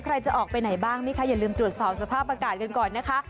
ใครจะออกไปไหนบ้างนะคะอย่าลืมตรวจสอบสภาพอากาศกันก่อนนะคะ